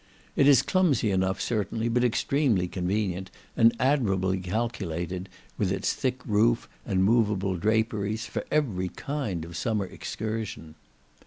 It is clumsy enough, certainly, but extremely convenient, and admirably calculated, with its thick roof and moveable draperies, for every kind of summer excursion.